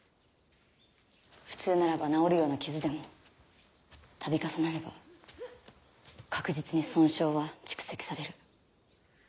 普通ならば治るような傷でも度重なれば確実に損傷は蓄積される。